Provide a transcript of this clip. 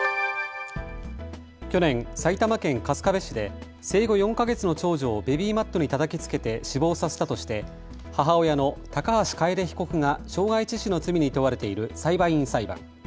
去年、埼玉県春日部市で生後４か月の長女をベビーマットにたたきつけて死亡させたとして母親の高橋楓被告が傷害致死の罪に問われている裁判員裁判。